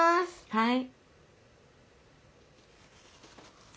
はい。